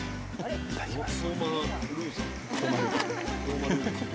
いただきます。